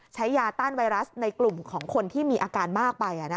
ยาต้านไวรัสในกลุ่มของคนที่มีอาการมากไป